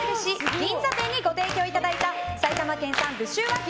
銀座店にご提供いただいた埼玉県産武州和牛